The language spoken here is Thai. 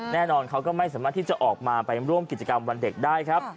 แน่นอนเขาก็ไม่สามารถที่จะออกมาไปร่วมกิจกรรมวันเด็กได้ครับ